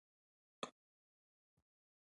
پیل د هغه ذات په نامه کوم.